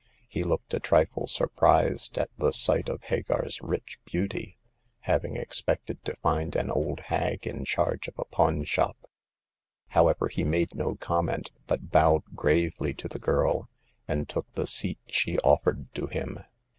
He looked a trifle surprised at the sight of Hagar's rich beauty, having expected to find an old hag in charge of a pawn shop. However, he made no comment, but bowed gravely to the girl, and took the seat she offered to him.